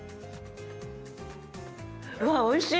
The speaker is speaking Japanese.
うわっおいしい！